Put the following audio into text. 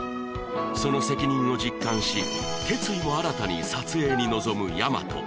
その責任を実感し決意も新たに撮影に臨む大和